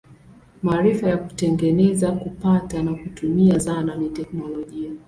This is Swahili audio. Maarifa ya kutengeneza, kupata na kutumia zana ni teknolojia.